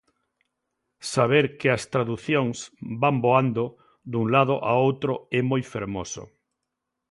Saber que as traducións van voando dun lado a outro é moi fermoso.